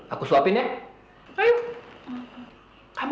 aku suapin ya